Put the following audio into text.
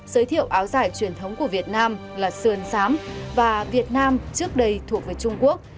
giới thiệu áo dài truyền thống của việt nam là sườn sám và việt nam trước đây thuộc về trung quốc